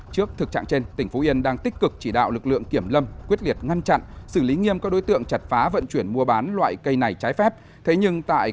trước thực trạng trên tỉnh phú yên đang tích cực chỉ đạo lực lượng kiểm lâm quyết liệt ngăn chặn